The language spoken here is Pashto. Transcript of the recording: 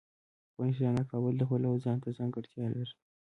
افغانستان د کابل د پلوه ځانته ځانګړتیا لري.